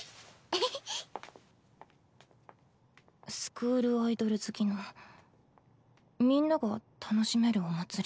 「スクールアイドル好きのみんなが楽しめるお祭り」。